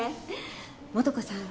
素子さんは？